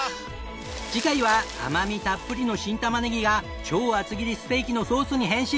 次回は甘みたっぷりの新たまねぎが超厚切りステーキのソースに変身。